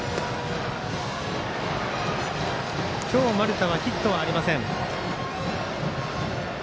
今日、丸田はヒットありません。